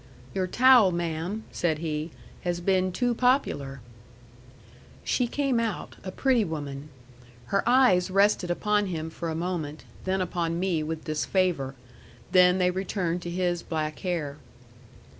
"Your towel, ma'am," said he, "has been too popular." She came out, a pretty woman. Her eyes rested upon him for a moment, then upon me with disfavor; then they returned to his black hair.